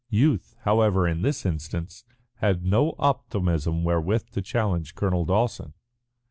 Youth, however, in this instance had no optimism wherewith to challenge Colonel Dawson.